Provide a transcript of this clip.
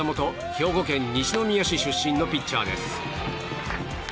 兵庫県西宮市出身のピッチャーです。